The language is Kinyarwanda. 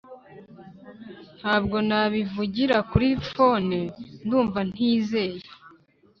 ntabwo nabivugira kuri phone ndumva ntizeye